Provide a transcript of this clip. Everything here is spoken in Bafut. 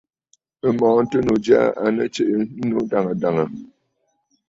M̀mɔ̀ɔ̀ŋtənnǔ jyaa à nɨ tsiʼǐ ɨnnǔ dàŋə̀ dàŋə̀.